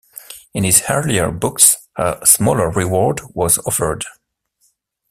In his earlier books a smaller reward was offered.